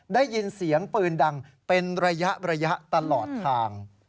ได้ยินเสียงปืนดังเป็นระยะตลอดทาง